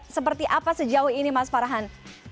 seperti apa sejauh ini mas farhan